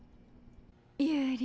ユーリ？